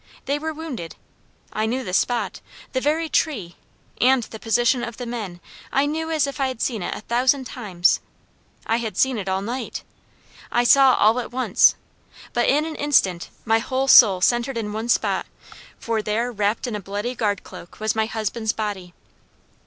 They were wounded. I knew the spot; the very tree; and the position of the men I knew as if I had seen it a thousand times. I had seen it all night! I saw all at once; but in an instant my whole soul centered in one spot; for there wrapped in a bloody guard cloak, was my husband's body!